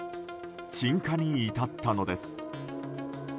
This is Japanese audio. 鎮火に至ったのです。